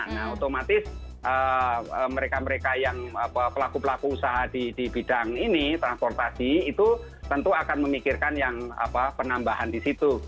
nah otomatis mereka mereka yang pelaku pelaku usaha di bidang ini transportasi itu tentu akan memikirkan yang penambahan di situ